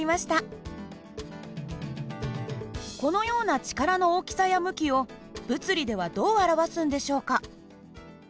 このような力の大きさや向きを物理ではどう表すんでしょうか？